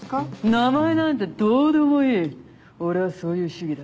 名前なんてどうでもいい俺はそういう主義だ。